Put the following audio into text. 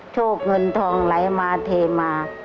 โชคเงินทองไหลมาเทมา